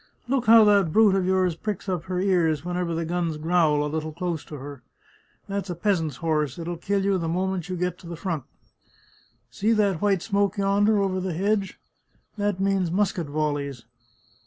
Look how that brute of yours pricks up her ears whenever the guns growl a little close to her! That's a peasant's horse; it'll kill you the moment you get to the front. See that white smoke yonder, over the hedge? That means musket volleys!